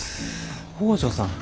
北條さん。